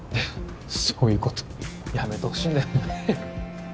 そういうことやめてほしいんだよね